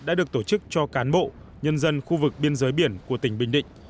đã được tổ chức cho cán bộ nhân dân khu vực biên giới biển của tỉnh bình định